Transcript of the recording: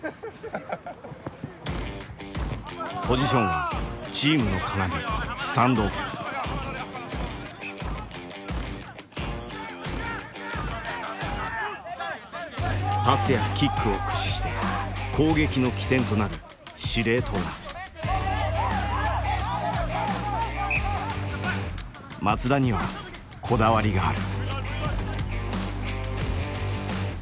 ポジションはチームの要パスやキックを駆使して攻撃の起点となる松田にはこだわりがある。